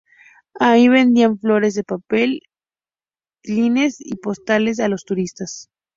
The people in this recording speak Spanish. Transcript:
Allí vendía flores de papel, chicles y postales a los turistas.